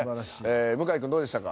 向井君どうでしたか？